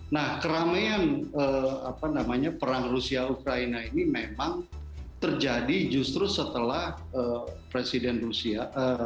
nah keramaian perang rusia ukraina ini memang terjadi justru setelah presiden rusia